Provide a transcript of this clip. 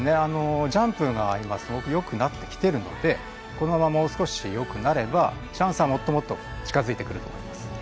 ジャンプがすごく今、よくなってきているのでこのまま、もう少しよくなればチャンスはもっともっと近づいてくると思います。